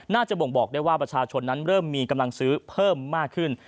บ่งบอกได้ว่าประชาชนนั้นเริ่มมีกำลังซื้อเพิ่มมากขึ้น